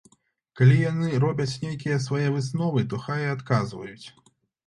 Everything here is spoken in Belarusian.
Калі яны робяць нейкія свае высновы, то хай і адказваюць!